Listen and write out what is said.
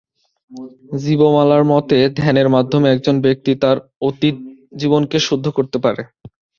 জীবমালার মতে, ধ্যানের মাধ্যমে একজন ব্যক্তি তার অতীত জীবনকে শুদ্ধ করতে পারে।